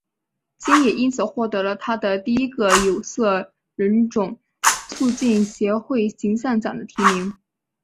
金也因此获得了她的第一个有色人种促进协会形象奖的提名。